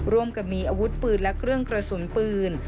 ร่วมกับมีอาวุธปืนและเครื่องกระสุนปืน